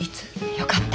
よかった。